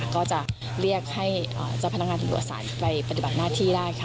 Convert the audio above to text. ก็จะเรียกให้เจ้าพนักงานตำรวจสารไปปฏิบัติหน้าที่ได้ค่ะ